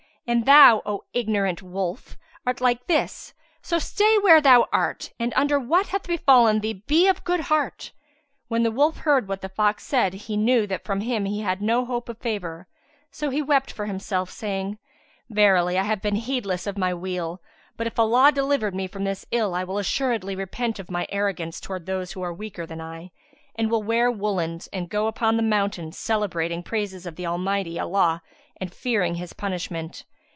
And thou, O ignorant wolf, art like this; so stay where thou art and under what hath befallen thee be of good heart!" When the wolf heard what the fox said, he knew that from him he had no hope of favour; so he wept for himself, saying, "Verily, I have been heedless of my weal; but if Allah deliver me from this ill I will assuredly repent of my arrogance towards those who are weaker than I, and will wear woollens[FN#157] and go upon the mountains, celebrating the praises of Almighty Allah and fearing His punishment.